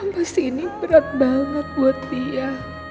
pasti ini berat banget buat dia